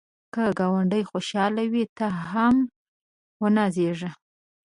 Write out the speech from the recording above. که ګاونډی خوشحال وي، ته هم ونازېږه